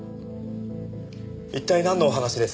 一体なんのお話です？